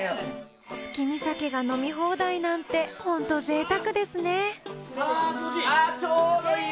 月見酒が飲み放題なんてホントぜいたくですね気持ちいい。